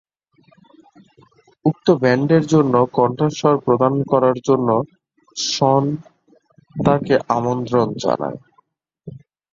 উক্ত ব্যান্ডের জন্য কণ্ঠস্বর প্রদান করার জন্য সন তাকে আমন্ত্রণ জানায়।